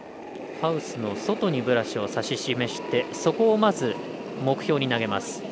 ハウスの外にブラシを指し示してそこをまず目標に投げます。